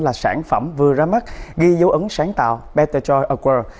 là sản phẩm vừa ra mắt ghi dấu ấn sáng tạo betterjoy award